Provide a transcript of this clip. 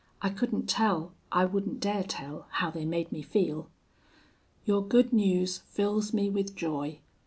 I couldn't tell I wouldn't dare tell, how they made me feel. "Your good news fills me with joy.